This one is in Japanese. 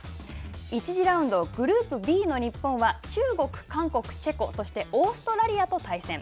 １次ラウンドグループＢの日本は中国、韓国、チェコそしてオーストラリアと対戦。